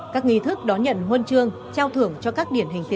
các nghi thức đón nhận huân chương trao thưởng cho các điển hình